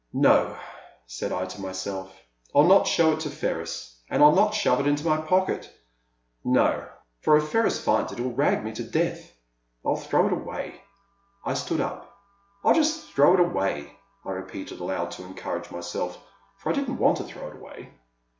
*' No," said I to myself, *' I '11 not show it to Ferris. And I 'U not shove it into my pocket — no — for if Ferris finds it he *11 rag me to death. I '11 throw it away." I stood up. " I '11 just throw it away," I repeated aloud to encourage myself, for I didn't want to throw it away.